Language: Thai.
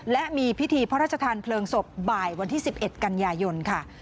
และมีพิธีพระราชทานเพลิงศพบ่ายวันที่๑๑กันยายนค่ะ